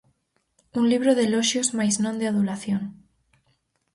Un libro de eloxios mais non de adulación.